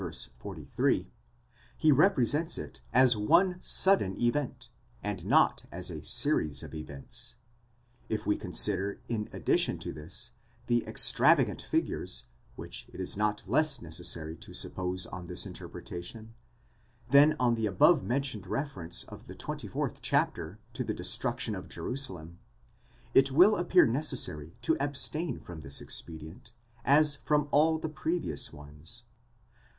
43), he represents it as one sudden event, and not as a series of events.24 If we consider in addition to this the extravagant figures, which it is not less necessary to suppose on this interpretation, than on the above mentioned reference of the 24th chapter to the destruction of Jerusalem," it will appear necessary to abstain from this expedient, as from all the previous ones.